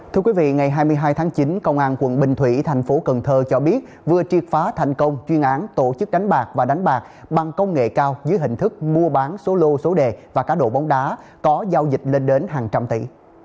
thưa quý vị ngày hai mươi hai tháng chín công an quận bình thủy thành phố cần thơ cho biết vừa triệt phá thành công chuyên án tổ chức đánh bạc và đánh bạc bằng công nghệ cao dưới hình thức mua bán số lô số đề và cá độ bóng đá có giao dịch lên đến hàng trăm tỷ